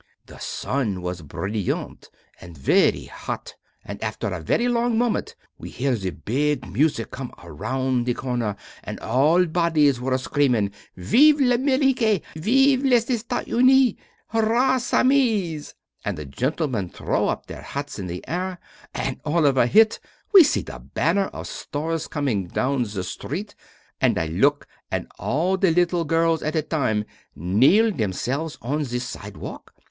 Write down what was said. The sun was brilliant and very hot and after a very long moment, we hear the big music come around the corner, and all bodies were screaming: "Vive l'Amerique! Vive les Etats Unis! Hurrah Sammies!" and the gentlemen throw up their hats in air. And all of a hit we see the banner of stars coming down the street, and I look and all the little girls at a time kneel themselves on the sidewalk.